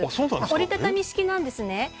折り畳み式なんですね。